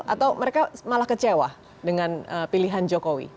atau mereka malah kecewa dengan pilihan jokowi